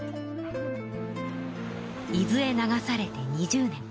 伊豆へ流されて２０年。